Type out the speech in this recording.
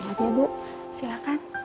iya ibu silahkan